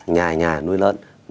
nhà nhà nuôi lợn